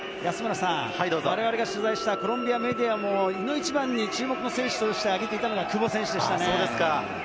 我々が取材したコロンビアメディアもいの一番に注目の選手としてあげていたのが久保選手でしたね。